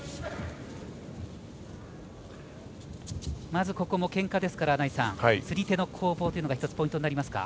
まずここは、けんかですから釣り手の攻防が１つ、ポイントになりますか。